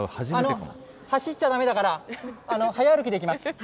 空港なんで、走っちゃだめだから、早歩きで行きます。